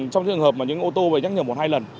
trong trường hợp mà những ô tô về nhắc nhở một hai lần